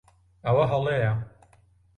ئەوە ھەڵەیە.